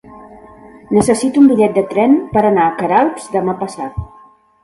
Necessito un bitllet de tren per anar a Queralbs demà passat.